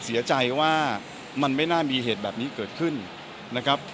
เสียใจว่ามันไม่น่ามีเหตุแบบนี้เกิดขึ้นนะครับ